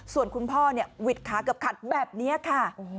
ส่วนคุณพ่อหวิดขาเกือบขัดแบบนี้ค่ะ